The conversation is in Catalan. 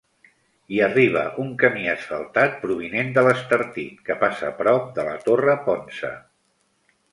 Hi arriba un camí asfaltat provinent de l'Estartit que passa prop de la Torre Ponça.